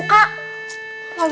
tidak seperti kamu